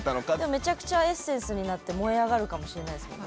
めちゃくちゃエッセンスになって燃え上がるかもしれないですもんね。